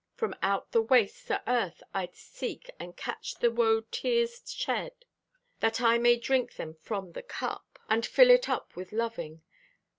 From out the wastes o' earth I'd seek And catch the woe tears shed, That I might drink them from the cup And fill it up with loving.